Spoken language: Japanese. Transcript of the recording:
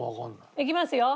いきますよ。